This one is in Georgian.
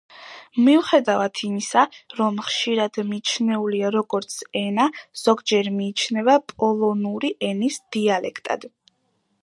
მიუხედავად იმისა, რომ ხშირად მიჩნეულია როგორც ენა, ზოგჯერ მიიჩნევა პოლონური ენის დიალექტად.